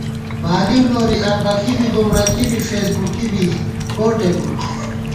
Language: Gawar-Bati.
بالِؤ نوری اربَکی بی گُمرَکی بی فېسبُکی بی کوٹے کوٹ